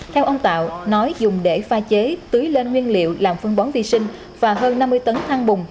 theo ông tạo nói dùng để pha chế tưới lên nguyên liệu làm phân bón vi sinh và hơn năm mươi tấn than bùng